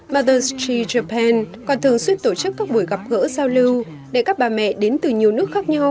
mother s tree japan còn thường suy tổ chức các buổi gặp gỡ giao lưu để các bà mẹ đến từ nhiều nước khác nhau